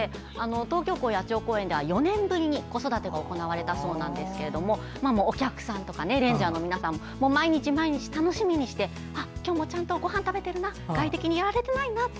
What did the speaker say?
東京港野鳥公園では４年ぶりに子育てが行われたそうですがお客さんとかレンジャーの皆さんも毎日毎日楽しみにして今日もちゃんとごはん食べてるな外敵にやられてないなって